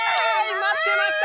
まってました！